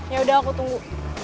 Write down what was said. ya udah aku tunggu